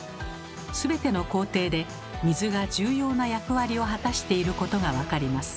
全ての工程で水が重要な役割を果たしていることがわかります。